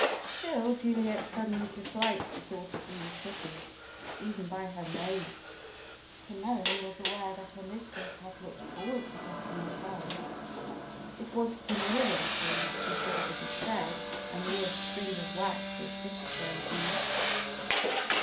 Still, Juliet suddenly disliked the thought of being pitied even by her maid. Simone was aware that her mistress had looked forward to getting the pearls. It was humiliating that she should have instead a mere string of wax or fish scale beads!